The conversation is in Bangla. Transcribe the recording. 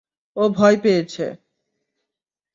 ও ভয় পেয়েছে।